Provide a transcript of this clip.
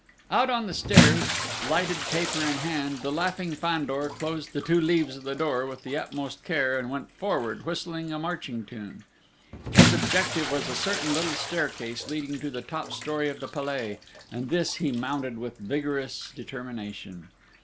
Out on the stairs, lighted taper in hand, the laughing Fandor closed the two leaves of the door with the utmost care, and went forward whistling a marching tune. His objective was a certain little staircase leading to the top story of the Palais, and this he mounted with vigorous determination.